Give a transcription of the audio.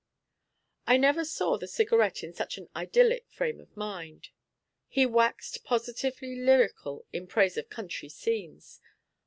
I never saw the Cigarette in such an idyllic frame of mind. He waxed positively lyrical in praise of country scenes.